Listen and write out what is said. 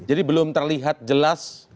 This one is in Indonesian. jadi belum terlihat jelas